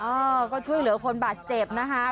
เออก็ช่วยเหลือคนบาดเจ็บนะคะ